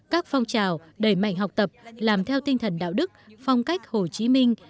các phong trào đẩy mạnh học tập làm theo tinh thần đạo đức phong cách hồ chí minh